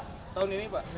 tahun ini pak